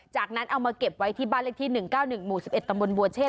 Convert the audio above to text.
จากนั้นเอามาเก็บไว้ที่บ้านเลขที่๑๙๑หมู่๑๑ตำบลบัวเชษ